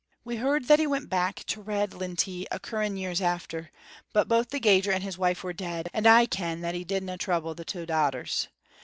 We heard that he went back to Redlintie a curran years after, but both the gauger and his wife were dead, and I ken that he didna trouble the twa daughters.